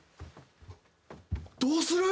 どうする？